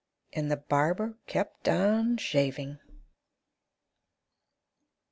And the barber kept on shaving.